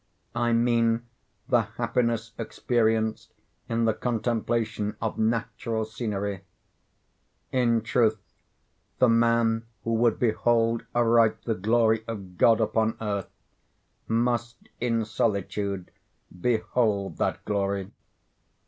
I mean the happiness experienced in the contemplation of natural scenery. In truth, the man who would behold aright the glory of God upon earth must in solitude behold that glory.